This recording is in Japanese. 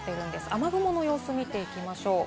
雨雲の様子、見ていきましょう。